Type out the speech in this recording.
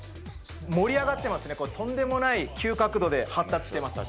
盛り上がってますね、とんでもない急角度で発達しています。